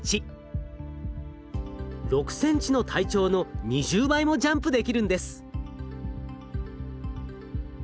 ６ｃｍの体長の２０倍もジャンプできるんです。